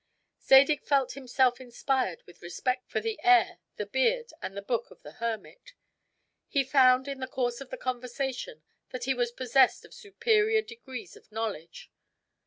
Zadig felt himself inspired with respect for the air, the beard, and the book of the hermit. He found, in the course of the conversation, that he was possessed of superior degrees of knowledge.